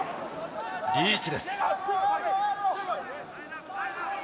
リーチです。